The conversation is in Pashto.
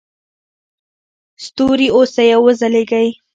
ستوري اوسئ او وځلیږئ.